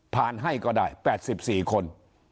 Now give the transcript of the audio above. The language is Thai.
ผ่านให้ก็ได้๘๔คน